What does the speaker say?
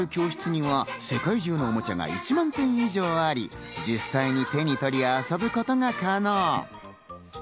教室には世界中のおもちゃが１万点以上あり、実際に手に取り、遊ぶことが可能。